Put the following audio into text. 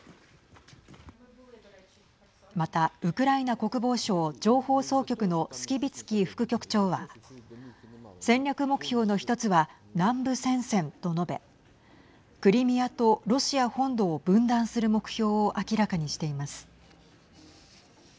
またウクライナ国防省情報総局のスキビツキー副局長は戦略目標の１つは南部戦線と述べクリミアとロシア本土を分断する目標を明らかにしています。